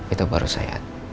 itu baru saya